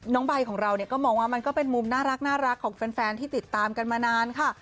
ใบของเราเนี่ยก็มองว่ามันก็เป็นมุมน่ารักของแฟนที่ติดตามกันมานานค่ะ